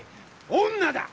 女だ！